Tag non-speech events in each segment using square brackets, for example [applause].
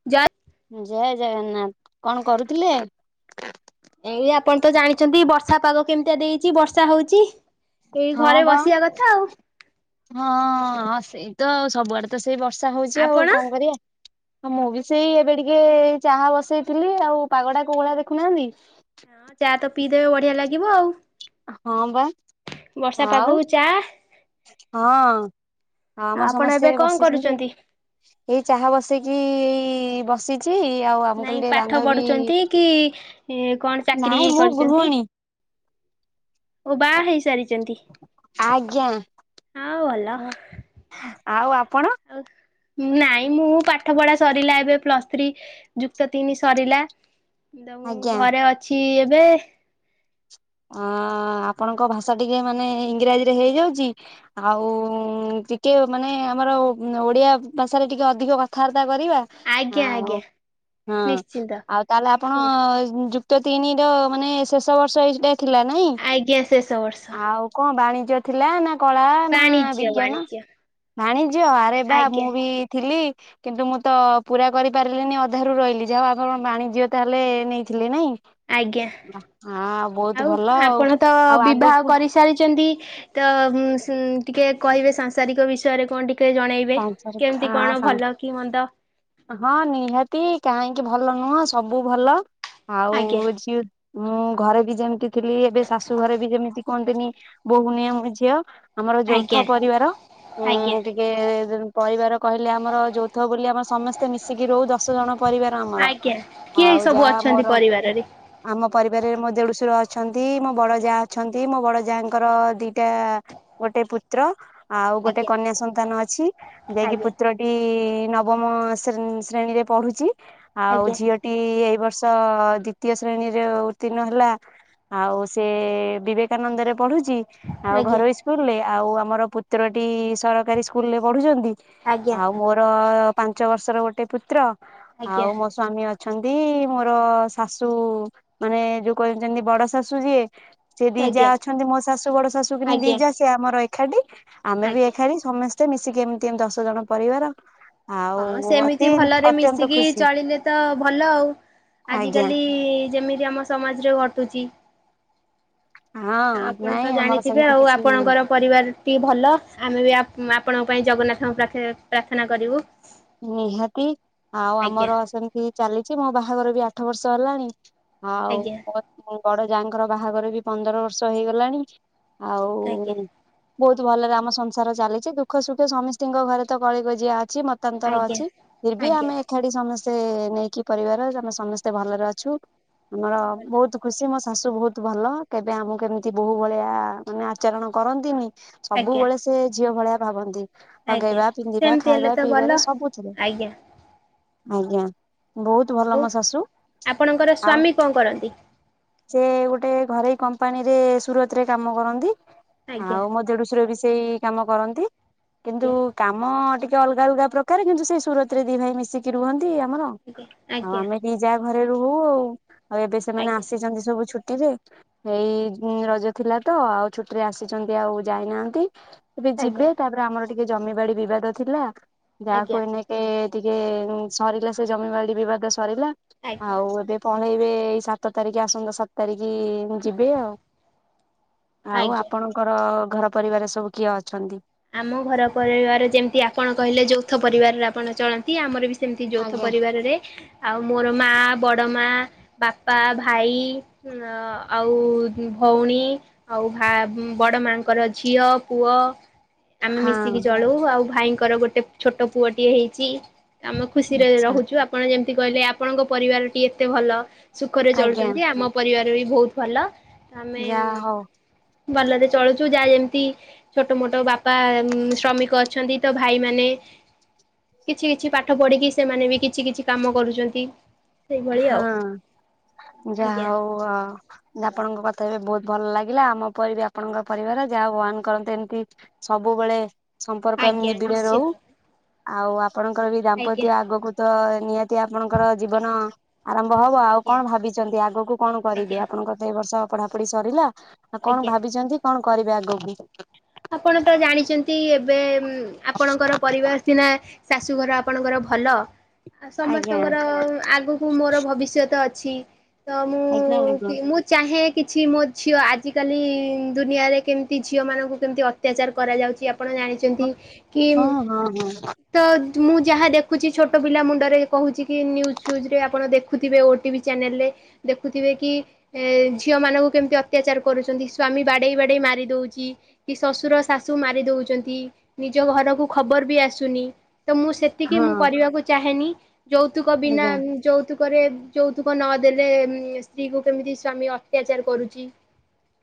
[unintelligible] ଜୟ ଜଗନ୍ନାଥ। କଣ କରୁଥିଲେ? ଏଇ ଆପଣ ତ ଜାଣିଛନ୍ତି ବର୍ଷା ପାଗ କେମିତିଆ ଦେଇଚି ବର୍ଷା ହଉଚି। ଏଇ ହଁ ଘରେ ବା। ବସିବା କଥା ଆଉ। ହଁ। ସେଇ ତ ଆ ସବୁଆଡେ ତ ସେଇ ବର୍ଷା ହଉଚି ଆଉ ଆପଣ? କଣ କରିବା। ହଁ ମୁଁ ବି ସେଇ ଏବେ ଟିକେ ଚାହା ବସେଇଥିଲି, ଆଉ ପାଗଟା କୋଉ ଭଳିଆ ଦେଖୁନାହାନ୍ତି। ହଁ ଚା ତ ପିଇଦେବେ ବଢିଆ ଲାଗିବ ଆଉ। ହଁ ବା ବର୍ଷା ଆଉ ପାଗକୁ ଚା ହଁ। ହଁ ଆମର ଆପଣ ସମସ୍ତେ ଏବେ କଣ ବସିଛନ୍ତି କରୁଛନ୍ତି? ଆଉ। ଏଇ ଚାହା ବସେଇକି ଏଇ ବସି ଚି। ଆଉ ମୁଁ ନାଇଁ କହିଲି ଟିକେ ପାଠ ବାନ୍ଧବୀ, ପଢୁଛନ୍ତି କି କଣ ଚାକିରି ନାଇଁ ମୁଁ କରିଛନ୍ତି? ଗୃହିଣୀ। ଓ ବାହା ହେଇସାରିଛନ୍ତି? ଆଜ୍ଞା। ଆଉ ଭଲ ଆଉ ଆପଣ? ଆଉ, ନାଇଁ ମୁଁ ପାଠ ପଢା ସରିଲା ଏବେ ପ୍ଲସ ଥ୍ରୀ। ଯୁକ୍ତ ତିନି ସରିଲା। ତ ମୁଁ ଆଜ୍ଞା। ଘରେ ଅଛି ଏବେ। ଅ ଆପଣଙ୍କ ଭାଷା ଟିକେ ମାନେ ଇଂରାଜୀ ରେ ହେଇଯାଉଚି। ଆଉ ଟିକେ ମାନେ ଆମର ଓଡିଆ ଭାଷାରେ ଟିକେ ଅଧିକ କଥାବାର୍ତ୍ତା କରିବା। ଆଜ୍ଞା ଆଉ ଆଜ୍ଞା ହଁ। ନିଶ୍ଚିନ୍ତ ଆଉ ତାହେଲେ ଆପଣ କୁହନ୍ତୁ ଯୁ ତ ତିନି ର ମାନେ ଶେଷ ବର୍ଷ ଏଇଟା ଥିଲା ନାଇଁ ଆଜ୍ଞା ଶେଷ ବର୍ଷ ଆଉ କଣ ବାଣିଜ୍ୟ ଥିଲା ନା କଳା ନା ବାଣିଜ୍ୟ ବିଜ୍ଞାନ ବାଣିଜ୍ୟ ବାଣିଜ୍ୟ ଆରେ ବା ମୁଁ ଆଜ୍ଞା ବି ଥିଲି କିନ୍ତୁ ମୁଁ ତ ପୁରା କରିପାରିଲିନି ଅଧାରୁ ରହିଲି ଯାହା ଆପଣ ବାଣିଜ୍ୟ ତାହେଲେ ନେଇଥିଲେ ନାଇଁ ଆଜ୍ଞା। ହଁ ବହୁତ ଆଉ ଆପଣ ତ ଆଉ ବିବାହ ଆଗକୁ କରି ସାରିଛନ୍ତି ତ ଟିକେ କହିବେ ସାଂସାରିକ ବିଷୟରେ କଣ ଟିକେ ଜଣେଇ ଵେ କେମତି ପାଞ୍ଚ କଣ ଭଲ କି ମନ୍ଦ? ହଁ ନିହାତି କାହିଁକି ଭଲ ନୁହଁ ସବୁ ଭଲ ଆଉ ଆଜ୍ଞା ଝିଅ ମୁଁ ଘରେ ବି ଯେମିତି ଥିଲି ଏବେ ଶାଶୁ ଘରେ ବି ଯେମିତି କୁହନ୍ତିନି ବୋଉ ନୁହେଁ ମୁଁ ଝିଅ। ଆମର ଆଜ୍ଞା ଯୌଥ ପରିବାର ଉଁ ଆଜ୍ଞା ଟିକେ ପରିବାର କହିଲେ ଆମର ଯୌଥ ବୋଲି ଆମର ସମସ୍ତେ ମିଶିକି ରହୁ ଦଶ ଜଣ ପରିବାର। ଆମର ଆଜ୍ଞା। କିଏ ଆଉ ସବୁ ଯାହା ଅଛନ୍ତି ମୋର। ପରିବାରରେ? ଆମ ପରିବାରରେ ମୋ ଦେଢୁଶର ଅଛନ୍ତି ମୋ ବଡ ଜା ଅଛନ୍ତି ମୋ ବଡ ଜା ଙ୍କର ଦିଟା ଗୋଟେ ପୁତ୍ର ଆଉ ଗୋଟେ ଆଜ୍ଞା କନ୍ୟା ସନ୍ତାନ ଅଛି ଯାଇକି ଆଜ୍ଞା ପୁତ୍ର ଟି ନବମ ଶ୍ରେଣୀରେ ପଢୁଛି ଆଉ ଆଜ୍ଞା ଝିଅ ଟି ଏଇ ବର୍ଷ ଦ୍ଵିତୀୟ ଶ୍ରେଣୀରେ ଉତୀର୍ଣ୍ଣ ହେଲା। ଆଉ ସେ ବିବେକାନନ୍ଦରେ ପଢୁଛି। ଆଉ ଆଜ୍ଞା ଘରୋଇ ସ୍କୁଲ ରେ ଆଉ ଆମର ପୁତ୍ରଟି ସରକାରୀ ସ୍କୁଲରେ ପଢୁଛନ୍ତି। ଆଜ୍ଞା ଆଉ ମୋ ର ପାଞ୍ଚ ବର୍ଷର ଗୋଟେ ପୁତ୍ର ଆଉ ଆଜ୍ଞା ମୋ ସ୍ଵାମୀ ଅଛନ୍ତି ମୋର ଶାଶୁ ମାନେ ଯୋଉ କହୁଛନ୍ତି ବଡ ଶାଶୁ ଯିଏ ସେ ଦି ଯା ଆଜ୍ଞା ଅଛନ୍ତି ମୋ ଶାଶୁ ବଡ ଶାଶୁ କି ଦି ଆଜ୍ଞା ଯା ସେ ଆମର ଏକାଠି ଆମେ ବି ଆଜ୍ଞା। ଏକାଠି ସମସ୍ତେ ମିଶିକି ଏମିତି ଏମତି ଦଶ ଜଣ ପରିବାର। ଆଉ ହଁ ଅତି ସେମିତି ଭଲରେ ଅତ୍ୟନ୍ତ ମିଶିକି ଖୁସି ଚଳିଲେ ତ ଭଲ ଆଉ। ଆଜ୍ଞା ଆଜିକାଲି ଯେମିତି ଆମ ସମାଜରେ ଘଟୁଛି। ହଁ ତ ଆପଣ ନାଇଁ ତ ଆମର ଜାଣିଥିବେ ସେମିତି ଆଉ କିଛି ଆପଣଙ୍କର ପରିବାରଟି ଭଲ ଆମେ ବି ଆପଣଙ୍କ ପାଇଁ ଜଗନ୍ନାଥଙ୍କ ପାଖେ ପ୍ରାର୍ଥନା କରିବୁ। ନିହାତି ଆଉ ଆଜ୍ଞା ଆମର ସେମିତି ଚାଲିଛି ମୋ ବାହାଘର ବି ଆଠ ବର୍ଷ ହେଲାଣି। ଆଉ ଆଜ୍ଞା ମୋ ବଡ ଜା ଙ୍କର ବାହାଘର ବି ପନ୍ଦର ବର୍ଷ ହେଇଗଲାଣି। ଆଜ୍ଞା ଆଉ ବହୁତ ଭଲରେ ଆମ ସଂସାର ଚାଲିଛି ଦୁଃଖ ସୁଖ ସମସ୍ତତିଙ୍କ ଘରେ ତ କଳିଗଜିଆ ଅଛି ମ ତାନ୍ତର ଆଜ୍ଞା ଅଛି ଫିର୍ ବି ଆଜ୍ଞା ଆମେ ଏକାଠି ସମସ୍ତେ ନେଇକି ପରିବାର ଆମେ ସମସ୍ତେ ଭଲରେ ଅଛୁ। ଆମର ବହୁତ ଖୁସି ମୋ ଶାଶୁ ବହୁତ ଭଲ କେବେ ଆମକୁ କେମିତି ବୋହୁ ଭଳିଆ ମାନେ ଆଚରଣ କରନ୍ତିନି। ଆଜ୍ଞା ସବୁବେଳେ ସେ ଝିଅ ଭଳିଆ ଭାବନ୍ତି ଆଜ୍ଞା ଲଗେଇବା ପିନ୍ଧିବା ସେମିତି ହେଲେ ଖାଇବା। ତ ଭଲ ପିଇବାରେ ସବୁଥିରେ ଆଜ୍ଞା ଆଜ୍ଞା। ବହୁତ ଭଲ ଆଉ ମୋ ଶାଶୁ ଆପଣଙ୍କର ଆଉ ସ୍ଵାମୀ କଣ କରନ୍ତି ସେ ଗୋଟେ ଘରୋଇ କମ୍ପାନୀରେ ସୁରତ ରେ କାମ କରନ୍ତି। ଆଜ୍ଞା ଆଉ ମୋ ଦେଡୁସର ବି ସେଇ କାମ କରନ୍ତି ଆଜ୍ଞା କିନ୍ତୁ କାମ ଟିକେ ଅଲଗା। ଅଲଗା ଅଲଗା ପ୍ରକାର କିନ୍ତୁ ସେଇ ସୁରତ ରେ ଦି ଭାଇ ମିଶିକି ରୁହନ୍ତି ଆମର ଆଜ୍ଞା ଆଉ ଆଜ୍ଞା ଆମେ ଦି ଯା ଘରେ ରହୁ ଆଉ ଆଉ ଏବେ ସେମାନେ ଆଜ୍ଞା ଆସିଛନ୍ତି ସବୁ ଛୁଟିରେ। ଏଇ ରଜ ଥିଲା ତ ଆଉ ଛୁଟିରେ ଆସିଛନ୍ତି ଆଉ ଯାଇନାହାନ୍ତି। ଏବେ ଆଜ୍ଞା ଯିବେ ତାପରେ ଆମର ଟିକେ ଜମିବାଡି ବିବାଦ ଥିଲା ଯାହା ଆଜ୍ଞା କୁହନି ଏ ଟିକେ ସରିଲା ସେ ଜମିବାଡ଼ି ବିବାଦ ସରିଲା ଆଜ୍ଞା ଆଉ ଏବେ ପଳେଇବେ ଏଇ ସାତ ତାରିଖ ଆସନ୍ତା ସାତ୍ ତାରିଖି ମୁଁ ଯିବି ଆଉ- ଆଉ ଆଜ୍ଞା ଆପଣଙ୍କର ଘର ପରିବାରରେ ସବୁ କିଏ ଅଛନ୍ତି? ଆମ ଘର ପରିବାରରେ ଯେମିତି ଆପଣ କହିଲେ ଯୌଥ ପରିବାରରେ ଆପଣ ଚଳନ୍ତି ଆମର ବି ସେମିତି ଯୌଥ ଆଜ୍ଞା। ପରିବାରରେ ଆଉ ମୋର ମା, ବଡ ମା, ବାପା, ଭାଇ ଅ- ଆଉ ଭଉଣୀ ଆଉ ଭା- ବଡମା ଙ୍କର ଝିଅ ପୁଅ ଆମେ ହଁ ମିଶିକି ଚଳୁ ଆଉ ଭାଇଙ୍କର ଗୋଟେ ଛୋଟ ପୁଅଟିଏ ହେଇଚି। ଆମେ ଖୁସିରେ ଆଚ୍ଛା। ରହୁଚୁ ଆପଣ ଯେମିତି କହିଲେ ଆପଣଙ୍କ ପରିବାରଟି ଏତେ ଭଲ। ସୁଖରେ ଆଜ୍ଞା ଚଳୁଚନ୍ତି ଆମ ପରିବାର ବି ବହୁତ୍ ଭଲ ଆମେ ଯାହା ହଉ ଭଲରେ ଚଳୁଚୁ ଯାହା ଯେମିତି ଛୋଟ ମୋଟ ବାପା ଶ୍ରମିକ ଅଛନ୍ତି ତ ଭାଇ ମାନେ କିଛି କିଛି ପାଠ ପଢିକି ସେମାନେ ବି କିଛି କିଛି କାମ କରୁଚନ୍ତି। ହଁ ଯାହା ଆଜ୍ଞା। ହଉ ଆ ଆପଣଙ୍କ କଥା ଏବେ ବହୁତ୍ ଭଲ ଲାଗିଲା ଆମ ପରି ଆପଣଙ୍କ ପରିବାର ଯାହା ହଉ ଭଗବାନ୍ କରନ୍ତେ ଏମିତି ସବୁବେଳେ ସମ୍ପର୍କ ଏମିତି ଆଜ୍ଞା ନିବିଡ ନିଶ୍ଚିନ୍ତ ରହୁ ଆଉ ଆପଣଙ୍କର ବି ଆଜ୍ଞା ଦାମ୍ପତ୍ୟ ଆଗକୁ ତ ନିହାତି ଆପଣଙ୍କର ଜୀବନ ଆରମ୍ଭ ହବ ଆଉ ଆଜ୍ଞା କଣ ଭାବିଚନ୍ତି ଆଗକୁ କଣ କରିବି ଆଜ୍ଞା ଆପଣଙ୍କ ତ ଏ ବର୍ଷ ପଢାପଢି ସରିଲା। ଆଉ କଣ ଆଜ୍ଞା। ଭାବିଚନ୍ତି କଣ କରିବେ ଆଗକୁ? ଆପଣ ତ ଜାଣିଚନ୍ତି ଏବେ ଆପଣଙ୍କର ପରିବାର ସିନା ଶାଶୁଘର ଆପଣଙ୍କର ଭଲ ଆଉ ଆଜ୍ଞା ସମସ୍ତଙ୍କର ଆଗ କୁ ମୋର ଭବିଷ୍ୟତ ଅଛି ତ ଆଜ୍ଞା ଆଜ୍ଞା ମୁଁ- ମୁଁ ଚାହେଁ କିଛି ମୋ ଝିଅ ଆଜିକାଲି ଦୁନିଆରେ କେମିତି ଝିଅମାନଙ୍କୁ କେମିତି ଅତ୍ୟାଚାର କରାଯାଉଚି ଆପଣ ଜାଣିଚନ୍ତି କି ହଁ ହଁ ହଁ ତ ମୁଁ ଯାହା ଦେଖୁଚି ଛୋଟ ପିଲା ମୁଣ୍ଡରେ କହୁଚି କି ନ୍ୟୁଜ୍ ଫ୍ୟୁଜ୍ ରେ ଆପଣ ଦେଖୁ ଦେଖୁଥିବେ ଓଟିଭି ଚ୍ୟାନେଲ୍ ରେ ଦେଖୁଥିବେ କି ଏ ଝିଅ ମାନଙ୍କୁ କେମିତି ଅତ୍ୟାଚାର କରୁଚନ୍ତି ସ୍ଵାମୀ ବାଡେଇ ବାଡେଇ ମାରି ଦଉଚି। କି ଶଶୁର ଶାଶୁ ମାରିଦଉଚନ୍ତି ନିଜ ଘରକୁ ଖବର୍ ବି ଆସୁନି ତ ମୁଁ ସେ ଏତିକି ମୁଁ ହଁ କରିବାକୁ ଚାହେଁନି ଯୌତୁକ ବିନା ଆଜ୍ଞା ଯୌତୁ ରେ ଯୌତୁକ ନଦେଲେ ଉଁ- ସ୍ତ୍ରୀ କୁ କେମିତି ସ୍ଵାମୀ ଅତ୍ୟାଚାର କରୁଚି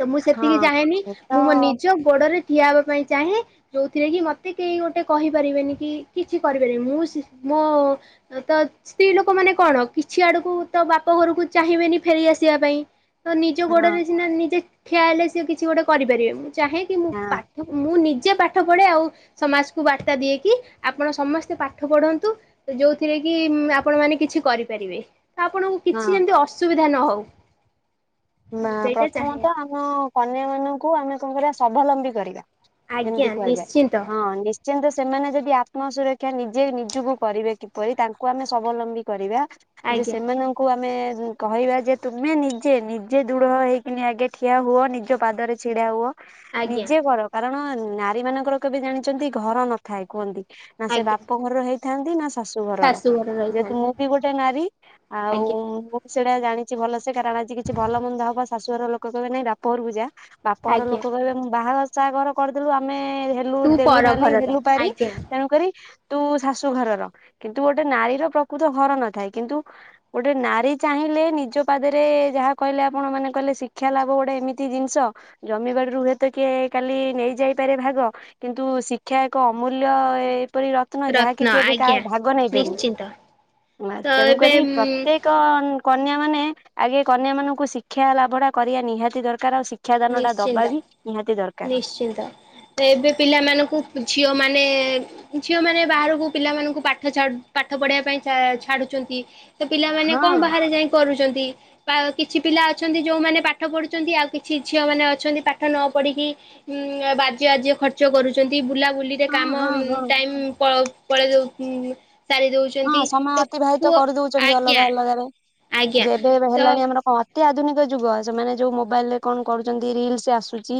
ତ ମୁଁ ସେତିକି ହଁ ଚାହେଁନି ଏ ତ ମୁଁ ମୋ ନିଜ ଗୋଡରେ ଠିଆ ହେବା ପାଇଁ ଚାହେଁ ଯଉଥିରେ କି ମତେ କେହି ଗୋଟେ କହିପାରିବେନି କି କିଛି କରିପାରିବି ମୁଁ ସେ-ମୋ ତ ସ୍ତ୍ରୀ ଲୋକ ମାନେ କଣ କିଛି ଆଡକୁ ତ ବାପ ଘରକୁ ଚାହିଁବେନି ଫେରି ଆସିବା ପାଇଁ ତ ନିଜ ହଁ ଗୋଡରେ ସିନା ନିଜେ ଠିଆ ହେଲେ ସିଏ କିଛି ଗୋଟେ କରିପାରିବେ ମୁଁ ଚାହେଁ କି ମୁଁ ପାଠ [inaudible] ମୁଁ ନିଜେ ପାଠ ପଢେ ଆଉ ସମାଜକୁ ବାର୍ତ୍ତା ଦିଏକି ଆପଣ ସମସ୍ତେ ପାଠ ପଢନ୍ତୁ ତ ଯଉଥିରେ କି ଆପଣ ମାନେ କିଛି କରିପାରିବେ ତ ଆପଣ ହଁ କିଛି ଯେମିତି ଅସୁବିଧା ନ ହଉ। ନା ମୁଁ ସେଇଟା ଚାହେଁ ପ୍ରଥମତଃ ଆମ କନ୍ୟା ମାନଙ୍କୁ ଆମେ କଣ କରିବା ସ୍ବାବଲମ୍ବୀ କରିବା। ଆଜ୍ଞା ଯେମିତି କୁହାଯାଏ ନିଶ୍ଚିନ୍ତ ହଁ ନିଶ୍ [unintelligible] ସେମାନେ ଯଦି ଆତ୍ମ ସୁରକ୍ଷା ନିଜେ ନିଜକୁ କରିବେ କିପରି ତାଙ୍କୁ ଆମେ ସ୍ବାବଲମ୍ବୀ କରିବା। ଯେ ଆଜ୍ଞା ସେମାନଙ୍କୁ ଆମେ କହିବା ଯେ ତୁମେ ନିଜେ ନିଜେ ଦୂଢ ହେଇକିନି ଆଗେ ଠିଆ ହୁଅ ନିଜ ପାଦରେ ଛିଡା ହୁଅ ଆଜ୍ଞା ନିଜେ କର। କାରଣ ନାରୀ ମାନଙ୍କର କେବେ ଜାଣିଛନ୍ତି ଘର ନଥାଏ କୁହନ୍ତି ନା ସେ ଆଜ୍ଞା ବାପ ଘରର ହେଇ- ଥାନ୍ତି ନା ଶାଶୁ ଘରର। ଶାଶୁଘରେ ଯେହେତୁ ରହିଥାନ୍ତି ମୁଁ ବି ଗୋଟେ ନାରୀ ଆଜ୍ଞା ଆଉ- ସେଇଟା ଜାଣିଛି ଭଲସେ କାରଣ ଆଜି କିଛି ଭଲ ମନ୍ଦ ହବ ଶାଶୁଘ ଘର ଲୋକ କହିବେ ନାଇଁ ବାପରକୁୁ ଯା। ବାପଘର ଆଜ୍ଞା ଲୋକ କହିବେ ମୁଁ ବାହାଘର ସାହାଘର କରିଦେଲୁ ଆମେ- ତ ତୁ ଦେଲୁ ପର ନାଲି ଘରର ହେଲୁ ପାରି ଆଜ୍ଞା ତେଣୁ କରି- ତୁ ଶାଶୁ ଘରର କିନ୍ତୁ ଗୋଟେ ନାରୀର ପ୍ରକୃତ ଘର ନଥାଏ କିନ୍ତୁ- ଗୋଟେ ନାରୀ ଚାହିଁଲେ ନିଜ ପାଦରେ ଯାହା- କହିଲେ ଆପଣ ମାନେ କହିଲେ ଶିକ୍ଷା ଲାଭ ଗୋଟେ ଏମିତି ଜିନିଷ- ଜମିବାଡିରୁ ହୁଏତ କିଏ କାଲି ନେଇଯାଇପାରେ ଭାଗ- କିନ୍ତୁ ଶିକ୍ଷା ଏକ ଅମୂଲ୍ୟ ଏପରି ର- ଯାହାକି ରତ୍ନ କେବେ କା ଆଜ୍ଞା ଭାଗ ନେବେନି। ନିଶ୍ଚିନ୍ତ ତ ତେଣୁ ଏବେ କରିରି ଉଁ ପ୍ରତ୍ୟେକ- କନ୍ୟା ମାନେ ଆଗେ କନ୍ୟା ମାନଙ୍କୁ ଶିକ୍ଷା ଲାଭଟା କରିବା ନିହାତି ଦରକାର ଆଉ- ଶିକ୍ଷାଦାନ ଟା ନିଶ୍ଚିନ୍ତ ଦବାବି ନିହାତି ଦରକାର। ନିଶ୍ଚିନ୍ତ। ଏବେ ପିଲାମାନଙ୍କୁ ଝିଅମାନେ- ଝିଅମାନେ ବାହାରକୁ ପିଲାମାନଙ୍କୁ ପାଠ ପାଠ ପଢେଇବା ପାଇଁ ଛାଡୁଛନ୍ତି। ତ ପିଲାମାନେ ହଁ କଣ ବାହାରେ ଯାଇ କରୁଛନ୍ତି। କିଛି ପିଲା ଅଛନ୍ତି ଯୋଉମାନେ ପାଠ ପଢୁଛନ୍ତି ଆଉ- ସେ ଝିଅମାନେ ଅଛନ୍ତି ପାଠ ନ ପଢ଼ିକି ବାଜେ ଆଜେ ଖର୍ଚ୍ଚ କରୁଛନ୍ତି ବୁଲାବୁଲି- ସେ ହଁ କାମ ହଁ ହଁ ଟାଇମ ପଳଉ ପଳେଇ ଦୋଉ ଉଁ ସାରି ଦଉଛି। ହଁ ସମୟ ଅତିବାହିତ କରିଦଉଛନ୍ତି ଅଲଗା ଅଲଗାରେ। ଆଜ୍ଞା ଯେବେ ଏବେ ତ ହେଲାଣି ଆମର କଣ- ଅତି ଆଧୁନିକ ଯୁଗ ସେମାନେ ଯୋଉ ମୋବାଇଲ ରେ କଣ କରୁଛନ୍ତି? ରିଲସ ଆସୁଛି।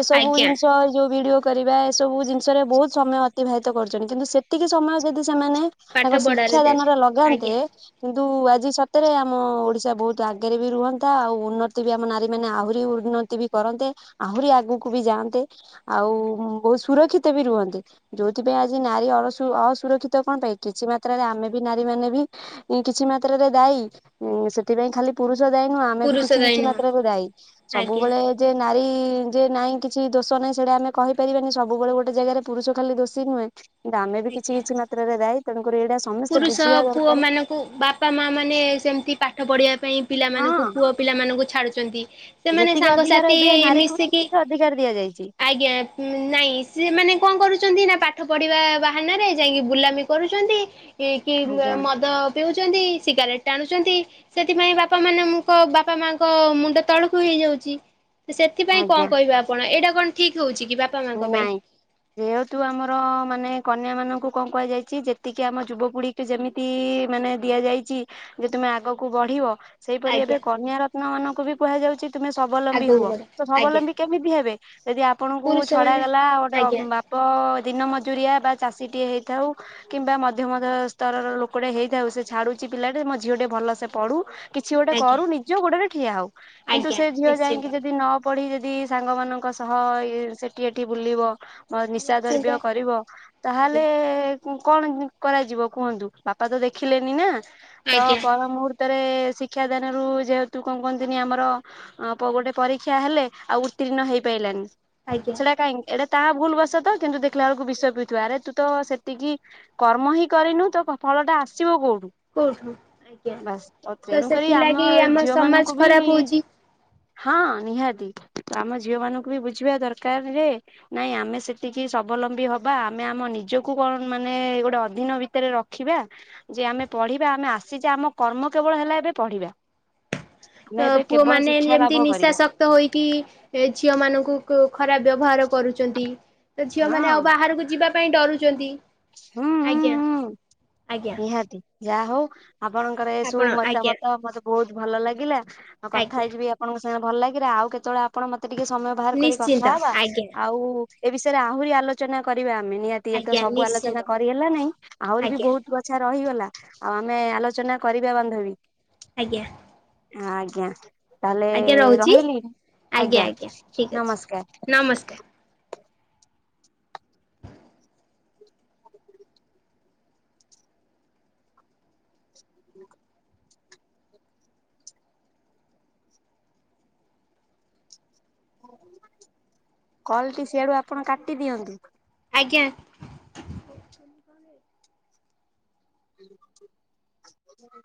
ଏ ସବୁ ଆଜ୍ଞା ଜିନିଷ ଏ ଯୋଉ ଭିଡିଓ। କରିବା ଏସବୁ ଜିନିଷରେ ବହୁତ ସମୟ ଅତିବାହିତ କରୁଛନ୍ତି କିନ୍ତୁ ସେତିକି ସମୟ ଯଦି ସେମାନେ- ପାଠ ତାଙ୍କ ପଢ଼ାରେ ଶିକ୍ଷା ଦେବେ ଦାନରେ ଲଗାନ୍ତେ। ଆଜ୍ଞା କିନ୍ତୁ ଆଜି ସତରେ ଆମ ଓଡିଶା ବହୁତ ଆଗରେ ବି ରୁହନ୍ତା ଆଉ ଉନ୍ନତି ବି ଆମ ନାରୀ ମାନେ ଆହୁରି ଉନ୍ନ- ତି ବି କରନ୍ତେ ଆହୁରି ଆଗକୁ ବି ଯାଆନ୍ତେ। ଆଉ ବହୁତ ସୁରକ୍ଷିତ ବି ରୁହନ୍ତେ। ଯୋଉଥିପାଇଁ ଆଜି ନାରୀ ଅ ଅସୁରକ୍ଷିତ କଣ ପାଇଁ। କିଛି ମାତ୍ରାରେ ଆମେ ବି ନାରୀ ମାନେ ବି କିଛି ମାତ୍ରାରେ ଦାୟୀ। ସେ- ସେଥିପାଇଁ ଖାଲି ପୁରୁଷ ଦାୟୀ ନୁହଁ ଆମେ ବି ପୁରୁଷ କିଛି ଦାୟୀ କିଛି ନୁହଁ ମାତ୍ରରେ ଦାୟୀ। ଆଜ୍ଞା ସବୁବେଳେ- ଯେ ନାରୀ ଯେ ନାଇଁ କିଛି ଦୋଷ ନାହିଁ ସେଇଟା ଆମେ କହିପାରିବାନି ସବୁବେଳେ ଗୋଟେ ଜାଗାରେ ପୁରୁଷ ଖାଲି ଦୋଷୀ ନୁହେଁ। ଆମେ ବି କିଛି ଆଜ୍ଞା। କିଛି ମାତ୍ରାରେ ଦାୟୀ ତେଣୁକରି ଏଇଟା ସମସ୍ତେ ପୁରୁଷ ବୁଝିବା ପୁଅ ଦରକାରେ। ମାନଙ୍କୁ ବାପା ମା ମାନେ ସେମତି ପାଠ ପଢିବା ପାଇଁ ପିଲାମାନଙ୍କୁ ହଁ ପୁଅ ପିଲାମାନଙ୍କୁ ଛାଡୁଛନ୍ତି। ସେମାନେ ଯେତିକି ଅଧିକାର ସାଙ୍ଗସାଥି ଏବେ ନାରୀକୁ ମିଶିକି। ସେତିକି ଅଧିକାର ଦିଆଯାଇଛି। ଆଜ୍ଞା। ନାଇଁ ସିଏ ମାନେ କଣ କରୁଛନ୍ତି ନା ପାଠ ପଢିବା ବାହାନାରେ ଯାଇକି ବୁଲାମି କରୁଛନ୍ତି। କି କି ଆଜ୍ଞା ମଦ ପିଉଛନ୍ତି ସିଗାରେଟ୍ ଟାଣୁଛନ୍ତି। ସେଥିପାଇଁ ବାପା ମାନେ ମୁକ। ବାପା ମାଙ୍କ ମୁଣ୍ଡ ତଳକୁ ହେଇଯାଉଛି। ସେଥିପାଇଁ କଣ ଆଜ୍ଞା କହିବେ ଆପଣ ଏଇଟା କଣ ଠିକ ହଉଛି କି ବାପ- ନାଇଁ। ଯେହେତୁ ଆମର ମାନେ କନ୍ୟା ମାନଙ୍କୁ କଣ କୁହାଯାଇଛି ଯେତିକି ଆମ ଯୁବପିଢି- ଯେମିତି ମାନେ ଦିଆଯାଇଛି ଯେ ତୁମେ ଆଗକୁ ବଢିବ। ସେହିପରି ଆଜ୍ଞା। ଏବେ କନ୍ୟା ରତ୍ନ ମାନଙ୍କୁ ବି କୁହାଯାଉଛି। ତୁମେ ସ୍ୱାଵଲମ୍ବୀ ଆଗକୁ ହୁଅ ବଢ ତ ଆଜ୍ଞା ସବଲମ୍ବୀ କେମିତି ହେବେ? ଯଦି ଆପଣଙ୍କୁ ପୁରୁଷ ମାନେ ଛଡାଗଲା ଗୋଟେ ବା- ଆଜ୍ଞା। ତ ଦିନ ମଜୁରିଆ ବା ଚାଷୀଟିଏ ହେଇଥାଉ- କିମ୍ବା ମଧ୍ୟମ ଧରଣର ସ୍ତରର ଲୋକଟେ ହେଇଥାଉ ସେ ଛାଡୁଛି ପିଲା ଟେ ମୋ ଝିଅ ଟେ ଭଲସେ ପଢୁ। କିଛି ଗୋଟେ ଆଜ୍ଞା କରୁ ନିଜ ଗୋଡରେ ଠିଆ ହଉ କିନ୍ତୁ ଆଜ୍ଞା ସେ ଝିଅ ନିଶ୍ଚିନ୍ତ ଯାଇକି ଯଦି ନ- ପଢି ଯଦି ସାଙ୍ଗମାନଙ୍କ ସହ ଏ ସେଠି ଏଠି ବୁଲିବ। ନିଶା ନିଶ୍ଚିନ୍ତ ଦ୍ରବ୍ୟ କରିବ ଆଜ୍ଞା ତାହେଲେ। କଣ କରାଯିବ କୁହନ୍ତୁ ବାପା ତ ଦେଖିଲେନି ନା ତ ଆଜ୍ଞା ପର ମୁର ର୍ତ ରେ ଶିକ୍ଷାଦାନରୁ ଯେହେତୁ କଣ କୁହନ୍ତିନି ଆମର। ଅ ପ ଗୋଟେ ପରୀକ୍ଷା ହେଲେ ଆଉ ଉତ୍ତୀର୍ଣ୍ଣ ହେଇ ପାଇଲାନି। ଆଜ୍ଞା ସେଇଟା କାହିଁକି ଏଇଟା ତାହା ଭୁଲ ବସ ତ କିନ୍ତୁ ଦେଖିଲା ବେଳକୁ ବିଷ ପିଉଥିବ ଆରେ ତୁ ତ ସେତିକି। କର୍ମ ହିଁ କରିନୁ ତ ଫଳଟା ଆସିବ କୋଉଠୁ। କୋଉଠୁ ଆଜ୍ଞା ବାସ ତ ତେଣୁକରି ଆମ ସେଥିଲାଗି ଝିଅ ସମାଜ ମାନଙ୍କୁ ବି। ଖରାପ ହଉଛି ହଁ ନିହାତି ତ ଆମ ଝିଅ ମାନଙ୍କୁ ବି ବୁଝିବା ଦରକାର ଯେ। ନାଇଁ ଆମେ ସେତିକି ସବଲମ୍ବୀ ହବା ଆମେ ଆମ ନିଜକୁ କଣ ମାନେ ଗୋଟେ ଅଧୀନ ଭିତରେ ରଖ ଦେଖିବା ଯେ ଆମେ ପଢିବା ଆମେ ଆସିଛେ ଆମ କର୍ମ କେବଳ ହେଲା ଏବେ ପଢିବା। ଆମେ ତ ଏବେ ପୁଅ କେବଳ ମାନେ ଶିକ୍ଷା ଯେମତି ଲାଭ ନିଶା କରିବା ଶକ୍ ହୋଇକି ଏ ଝିଅ ମାନଙ୍କୁ କୁ ଖରାପ ବ୍ୟବହାର କରୁଛନ୍ତି। ତ ଝିଅ ମାନେ ଆଉ ହଁ ବାହାରକୁ ଯିବା ପାଇଁ ଡରୁଛନ୍ତି ହୁଁ ହୁଁ ଆଜ୍ଞା ହୁଁ ଆଜ୍ଞା। ନିହାତି ଯା ହଉ। ଆପଣଙ୍କର ଏସବୁ ମତା ମତ ମତେ ବହୁତ ଭଲ ଲାଗିଲା ଆଉ କଥା ହେଇକି ବି। ଆପଣଙ୍କ ସାଙ୍ଗେ ଭଲ ଲାଗିିଲା ଆଉ କେତବେଳେ ଆପଣ ମତେ ଟିକେ ସମୟ ବାହାର କରି କଥା ନିଶ୍ଚିନ୍ତ ହେବା ଆଉ। ଏ ବିଷୟରେ ଆହୁରି ଆଲୋଚନା କରିବା ଆମେ ନିହାତି ଇ ତ ସବୁ ଆଲୋଚନା କରିହେଲା ନାଇଁ ଆହୁରି ବି ବହୁତ। ତ୍ଵଛା ରହିଗଲା ଆଉ ଆମେ ଆଲୋଚନା କରିବା ବନ୍ଧୁଣି। ଆଜ୍ଞା। ହଁ ଆଜ୍ଞା। ତାହେଲେ ଆଜ୍ଞା ରହୁଛି ରହିଲି ଆଜ୍ଞା ନମସ୍କାର। [inaudible] କଲଟି ସିଆଡୁ ଆପଣ କାଟି ଦିଅନ୍ତୁ। ଆଜ୍ଞା। [inaudible]